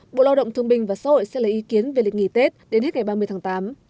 bộ lao động thương binh và xã hội sẽ lấy ý kiến về lịch nghỉ tết đến hết ngày ba mươi tháng tám